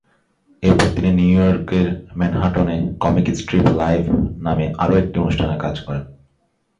এরপর তিনি নিউ ইয়র্কের ম্যানহাটনে "কমিক স্ট্রিপ লাইভ" নামে আরো একটি অনুষ্ঠান কাজ করেন।